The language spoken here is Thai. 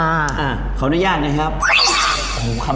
อร่อยเชียบแน่นอนครับอร่อยเชียบแน่นอนครับ